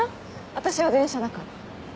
私は電車だから。